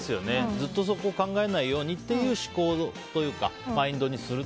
ずっとそこを考えないようにっていう思考というかマインドにする。